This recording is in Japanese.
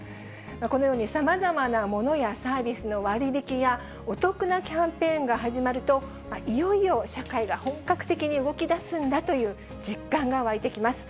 このようにさまざまな物やサービスの割引や、お得なキャンペーンが始まると、いよいよ社会が本格的に動きだすんだという実感が湧いてきます。